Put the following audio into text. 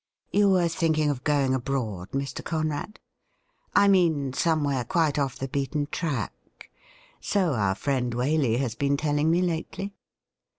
' You were thinking of going abroad, Mr. Conrad ? I mean, somewhere quite off the beaten track. So our friend Waley has been telling me lately.'